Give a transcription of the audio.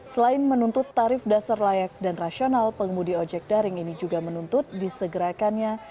selain menuntut tarif dasar layak dan rasional pengemudi ojek daring ini juga menuntut disegerakannya